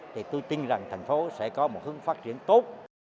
thì tôi tin rằng thành phố sẽ có một hướng phát triển tốt